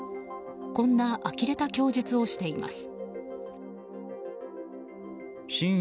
こんなあきれた供述をしています。